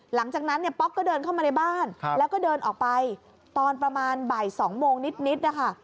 หลังจากนั้นเนี่ยป๊อกก็เดินเข้ามาในบ้านแล้วก็เดินออกไปตอนประมาณบ่าย๒โมงนิดนะคะ